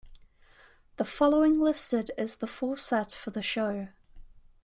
The following listed is the full set for the show.